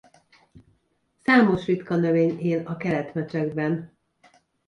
Számos ritka növény él a Kelet-Mecsekben.